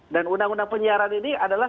undang undang penyiaran ini adalah